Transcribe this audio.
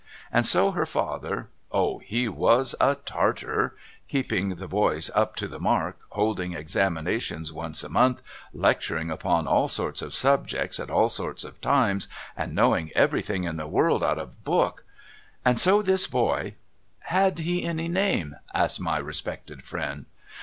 And so her father — O, he was a Tartar ! Keeping the boys up to the mark, holding examinations once a month, lecturing upon all sorts of subjects at all sorts of times, and knowing everything in the world out of book. And so this boy ——'' Had he any name?' asks my respected friend.